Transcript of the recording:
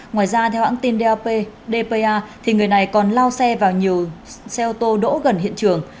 ngoài ra theo hãng tin dap dpa người này còn lao xe vào nhiều xe ô tô đỗ gần hiện trường